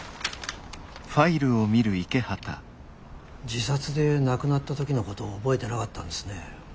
自殺で亡くなった時のことを覚えてなかったんですね？